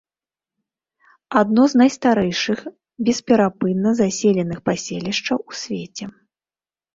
Адно з найстарэйшых бесперапынна заселеных паселішчаў у свеце.